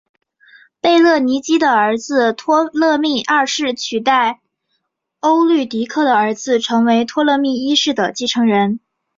贝勒尼基的儿子托勒密二世取代欧律狄刻的儿子成为托勒密一世的继承人。